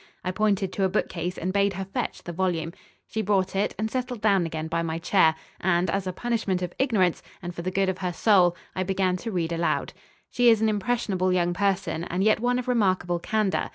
I pointed to a bookcase and bade her fetch the volume. She brought it and settled down again by my chair, and, as a punishment of ignorance, and for the good of her soul, I began to read aloud. She is an impressionable young person and yet one of remarkable candour.